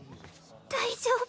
大丈夫？